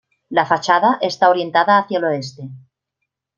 La fachada está orientada hacia el oeste.